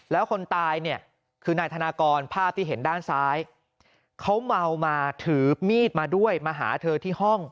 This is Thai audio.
แล้วคนตายเนี่ยคือนายธนากรภาพที่เห็นด้านซ้ายเขาเมามาถือมีดมาด้วยมาหาเธอที่ห้อง